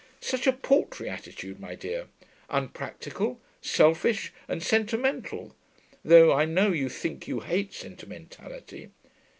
Such a paltry attitude, my dear! Unpractical, selfish, and sentimental; though I know you think you hate sentimentality.